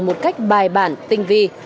một cách bài bản tinh vi